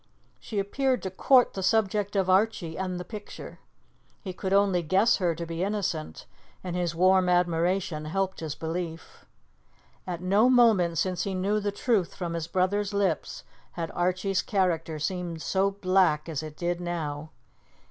She appeared to court the subject of Archie and the picture. He could only guess her to be innocent, and his warm admiration helped his belief. At no moment since he knew the truth from his brother's lips had Archie's character seemed so black as it did now.